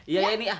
iya ini ah